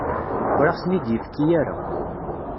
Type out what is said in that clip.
Ur aɣ-ten-id-yefki ara.